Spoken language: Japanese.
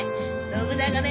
信長め。